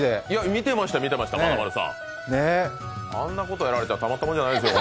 見てましたよ、まなまるさんあんなことやられたらたまったもんじゃないですよ。